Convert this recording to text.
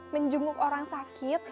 menjungguk orang sakit